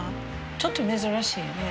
ちょっと珍しいよね。